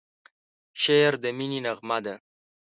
شعر د مینې نغمه ده.